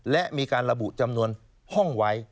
และมีการระบุจำนวนห้องไว้